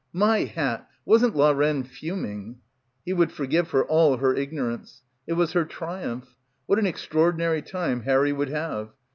"My hat, wasn't la reine fuming!" He would forgive her all her igno rance. It was her triumph. What an extraor dinary time Harry would have.